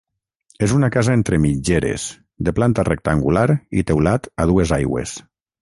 És una casa entre mitgeres, de planta rectangular i teulat a dues aigües.